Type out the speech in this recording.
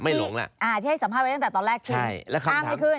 อบินฉี่ให้สำหรับตอนแรก